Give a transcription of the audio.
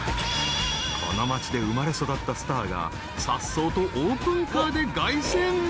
［この町で生まれ育ったスターがさっそうとオープンカーで凱旋］